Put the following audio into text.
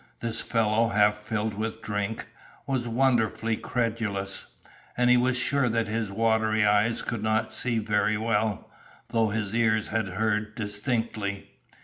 This fellow, half filled with drink, was wonderfully credulous. And he was sure that his watery eyes could not see very well, though his ears had heard distinctly.